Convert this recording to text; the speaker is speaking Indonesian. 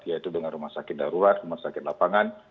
yaitu dengan rumah sakit darurat rumah sakit lapangan